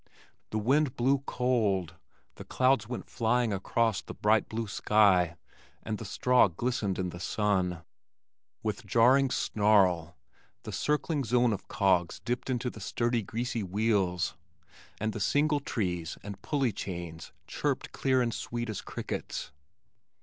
The wind blew cold, the clouds went flying across the bright blue sky, and the straw glistened in the sun. With jarring snarl the circling zone of cogs dipped into the sturdy greasy wheels, and the single trees and pulley chains chirped clear and sweet as crickets.